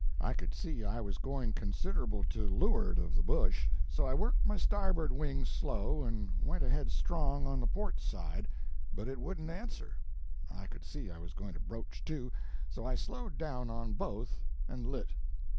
I could see I was going considerable to looard of the bush, so I worked my starboard wing slow and went ahead strong on the port one, but it wouldn't answer; I could see I was going to broach to, so I slowed down on both, and lit.